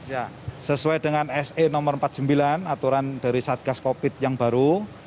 ya sesuai dengan se nomor empat puluh sembilan aturan dari satgas covid yang baru